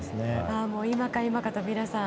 今か今かと皆さん